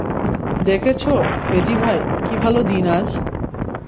দেখেছো, ফেজি ভাই, কি ভালো দিন আজ?